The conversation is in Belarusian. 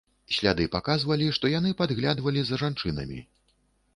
Сляды паказвалі, што яны падглядвалі за жанчынамі.